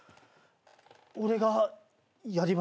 俺がやりました。